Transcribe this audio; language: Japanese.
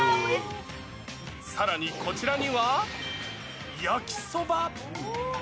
さらにこちらには、焼きそば。